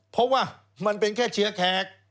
เพราะว่ามันเป็นแค่เชียร์แขก